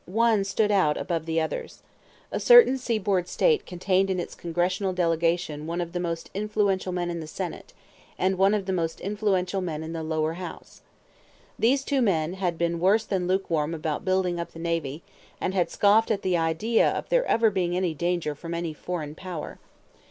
One stood out above the others. A certain seaboard State contained in its Congressional delegation one of the most influential men in the Senate, and one of the most influential men in the lower house. These two men had been worse than lukewarm about building up the navy, and had scoffed at the idea of there ever being any danger from any foreign power.